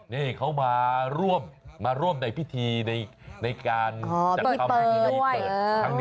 นี่เขามาร่วมมาร่วมในพิธีในการเรียนอย่างงี้